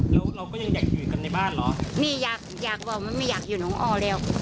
แล้วเราก็ยังอยากอยู่กันในบ้านเหรอนี่อยากอยากบอกว่าไม่อยากอยู่น้องออแล้ว